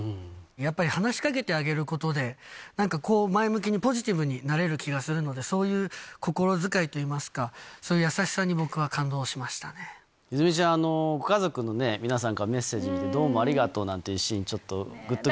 やっぱり話しかけてあげることで、なんかこう、前向きに、ポジティブになれる気がするので、そういう心遣いといいますか、そういう優しさに、僕は感動しま泉ちゃん、ご家族の皆さんからのメッセージ見て、どうもありがとうなんてシーン、ちょっとぐっとくるシーンでした。